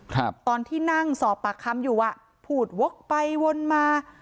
ครับตอนที่นั่งสอบปากคำอยู่อ่ะพูดวกไปวนมา